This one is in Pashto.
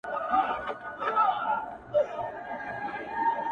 ستا دپښو سپين پايزيبونه زما بدن خوري ـ